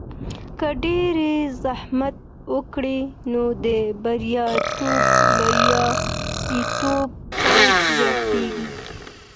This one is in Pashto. که ډیر زحمت وکړو، نو د بریالیتوب چانس زیاتیږي.